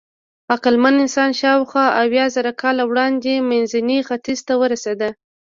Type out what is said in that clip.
عقلمن انسان شاوخوا اویازره کاله وړاندې منځني ختیځ ته ورسېد.